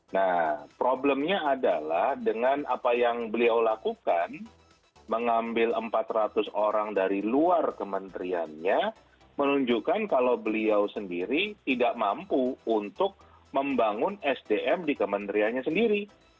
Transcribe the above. nah problemnya adalah dengan apa yang beliau lakukan mengambil empat ratus orang dari luar kementeriannya menunjukkan kalau beliau sendiri tidak mampu untuk membangun sdm di kementeriannya sendiri